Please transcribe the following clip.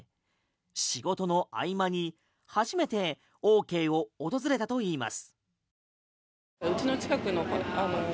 仕事の合間に初めてオーケーを訪れたといいます。